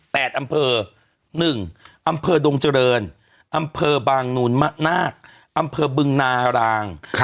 อำเภอหนึ่งอำเภอดงเจริญอำเภอบางนูลมะนาคอำเภอบึงนาราง